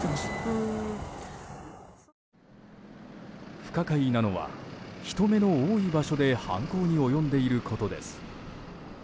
不可解なのは人目の多い場所で犯行に及んでいることです。